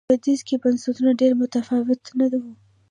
په لوېدیځ کې بنسټونه ډېر متفاوت نه و.